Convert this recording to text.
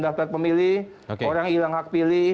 daftar pemilih orang hilang hak pilih